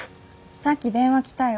さっき電話来たよ。